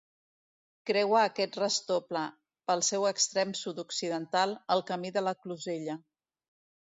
Creua aquest restoble, pel seu extrem sud-occidental, el Camí de la Closella.